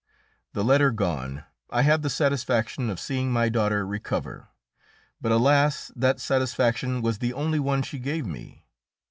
] The letter gone, I had the satisfaction of seeing my daughter recover; but alas! that satisfaction was the only one she gave me.